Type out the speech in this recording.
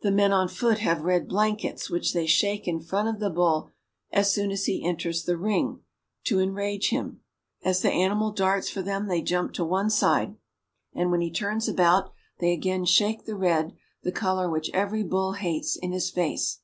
The men on foot have red blankets which they shake in front of the bull, as soon as he enters the ring, to enrage him. As the animal darts for them they jump to one side; and when he turns about they again shake the red, the color which every bull hates, in his face.